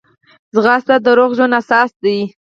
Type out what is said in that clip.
منډه د روغ ژوند اساس ده